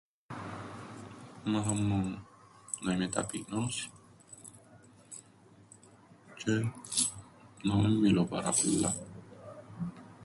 Εμάθαν μου να είμαι ταπεινός τζ̆αι να μεν μιλώ πάρα πολλά.